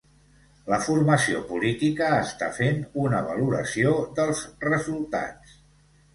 La formació política està fent una valoració dels resultats